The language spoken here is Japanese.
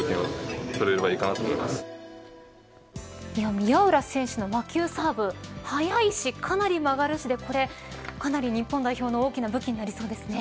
宮浦選手の魔球サーブ速いし、かなり曲がるしで、これかなり日本代表の大きな武器になりそうですね。